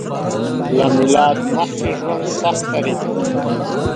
له میلاد مخکې ژوند سخت تېریدو